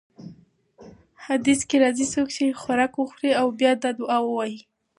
حديث کي راځي: څوک چې څه خوراک وخوري او بيا دا دعاء ووايي: